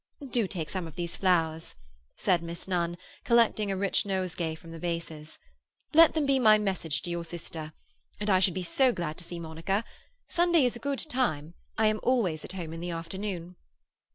"Do take some of these flowers," said Miss Nunn, collecting a rich nosegay from the vases. "Let them be my message to your sister. And I should be so glad to see Monica. Sunday is a good time; I am always at home in the afternoon."